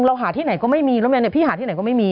เราหาที่ไหนก็ไม่มีแล้วแม่เนี่ยพี่หาที่ไหนก็ไม่มี